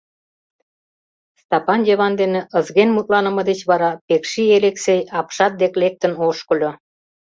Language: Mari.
Стапан Йыван дене ызген мутланыме деч вара Пекши Элексей апшат дек лектын ошкыльо.